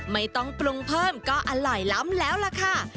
ไม่ต้องปรุงเพิ่มก็อร่อยล้ำแล้วล่ะค่ะ